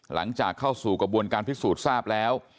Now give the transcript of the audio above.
หลังจากเข้าสู่กระบวนการพิสูจน์ทราบแล้ว